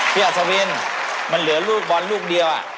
พี่อสวินมันเหลือลูกบอลลูกเดียวอ่ะ